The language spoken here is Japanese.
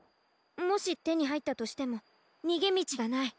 もしてにはいったとしてもにげみちがない。